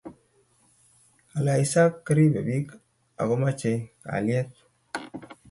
Kale Isaac ribe pik ako mache kalyet